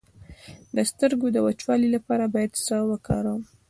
د سترګو د وچوالي لپاره باید څه وکاروم؟